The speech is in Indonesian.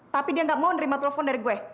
tapi dia gak mau nerima telepon dari gue